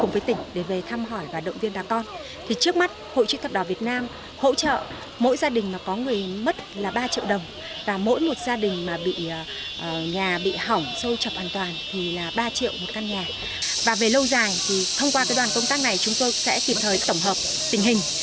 và về lâu dài thì thông qua cái đoàn công tác này chúng tôi sẽ kiểm thời tổng hợp tình hình